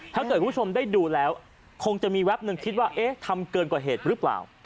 ถ้าเกิดคุณผู้ชมได้ดูแล้วคงจะมีแป๊บนึงคิดว่าเอ๊ะทำเกินกว่าเหตุหรือเปล่า